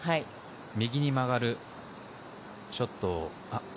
右に曲がるショットを。